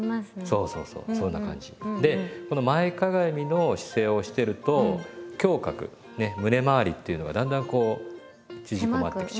そうそうそうそんな感じ。で前かがみの姿勢をしてると胸郭ね胸まわりっていうのがだんだんこう縮こまってきちゃう。